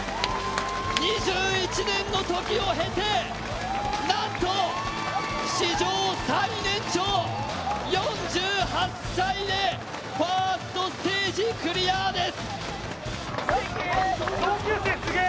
２１年のときを経てなんと史上最年長、４８歳でファーストステージクリアです。